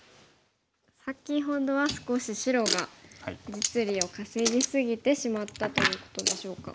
先ほどは少し白が実利を稼ぎ過ぎてしまったということでしょうか。